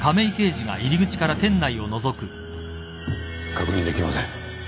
確認できません。